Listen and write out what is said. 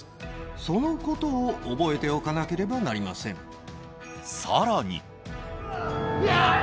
そのことを覚えておかなければなさらに。